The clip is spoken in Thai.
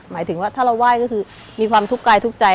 หมายถึงว่าถ้าเราไหว้ก็คือมีความทุกข์กายทุกข์ใจ